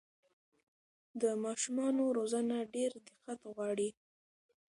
د ماشومانو روزنه ډېر دقت غواړي.